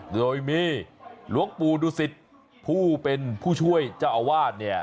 โดยมีหลวงปู่ดุสิตผู้เป็นผู้ช่วยเจ้าอาวาสเนี่ย